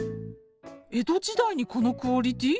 江戸時代にこのクオリティー？